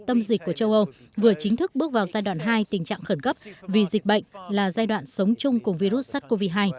tâm dịch của châu âu vừa chính thức bước vào giai đoạn hai tình trạng khẩn cấp vì dịch bệnh là giai đoạn sống chung cùng virus sars cov hai